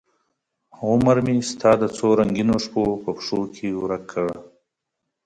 عمرمې ستا د څورنګینوشپو په پښوکې ورک کړ